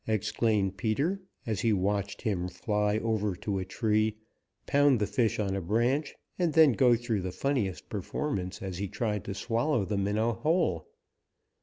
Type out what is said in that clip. exclaimed Peter, as he watched him fly over to a tree, pound the fish on a branch, and then go through the funniest performance as he tried to swallow the minnow whole.